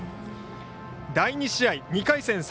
第２試合、２回戦